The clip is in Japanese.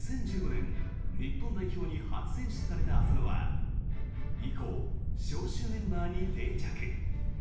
２０１５年日本代表に初選出された浅野は以降、招集メンバーに定着。